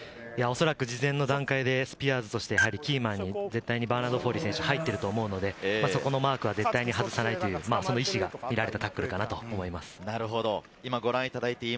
おそらく事前の段階でスピアーズとしてはキーマンに絶対にバーナード・フォーリー選手が入っていると思うので、そこのマークは絶対に外さないという意志が見られたタックルだったと思います。